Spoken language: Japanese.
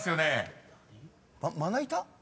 「まな板」？